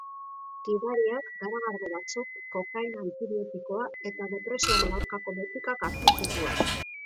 Gidariak garagardo batzuk, kokaina antibiotikoa eta depresioaren aurkako botikak hartu zituen.